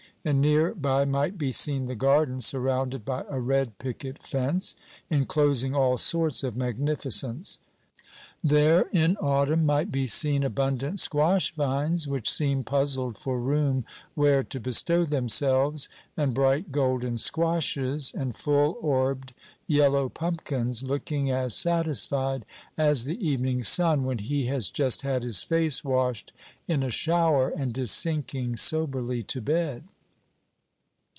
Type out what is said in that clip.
And near by might be seen the garden, surrounded by a red picket fence, enclosing all sorts of magnificence. There, in autumn, might be seen abundant squash vines, which seemed puzzled for room where to bestow themselves; and bright golden squashes, and full orbed yellow pumpkins, looking as satisfied as the evening sun when he has just had his face washed in a shower, and is sinking soberly to bed.